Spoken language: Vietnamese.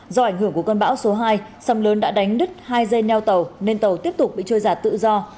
do ảnh hưởng của con bão số hai sầm lớn đã đánh đứt hai dây neo tàu nên tàu tiếp tục bị trôi giạt tự do